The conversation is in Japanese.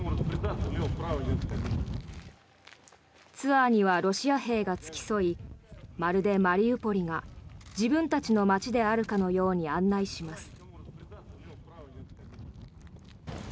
ツアーにはロシア兵が付き添いまるでマリウポリが自分たちの街であるかのように案内します。